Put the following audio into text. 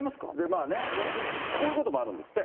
まあね、こういうこともあるんですって。